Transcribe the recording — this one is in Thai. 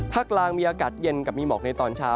กลางมีอากาศเย็นกับมีหมอกในตอนเช้า